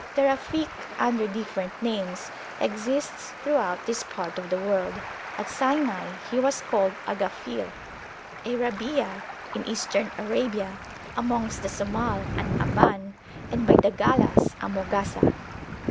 The Rafik, under different names, exists throughout this part of the world; at Sinai he was called a Ghafir, a Rabia in Eastern Arabia, amongst the Somal an Abban, and by the Gallas a Mogasa.